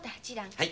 はい。